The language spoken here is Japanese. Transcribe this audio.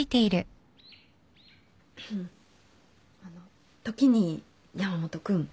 あの時に山本君。